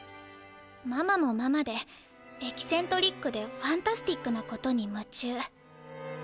ママもママでエキセントリックでファンタスティックなことにむちゅう。